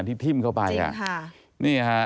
ที่ทิ่มเข้าไปอ่ะจริงค่ะนี่ฮะ